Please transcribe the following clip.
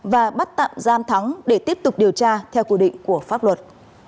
và bắt tạm giam thắng để tiếp tục điều tra theo quy định của pháp luật